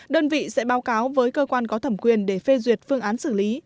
đơn vị sẽ báo cáo với cơ quan có thẩm quyền để phê duyệt phương án xử lý